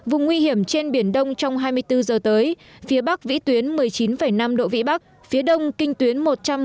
vùng nguy hiểm trên biển đông trong hai mươi bốn giờ tới phía bắc vĩ tuyến một mươi chín năm độ vĩ bắc phía đông kinh tuyến một trăm một mươi